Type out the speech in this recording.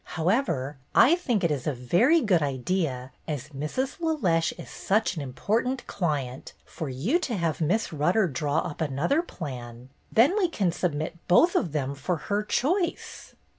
However, I think it is a very good idea, as Mrs. LeLeche is such an important client, for you to have Miss Rutter draw up another plan; then we can submit both of them for her choice."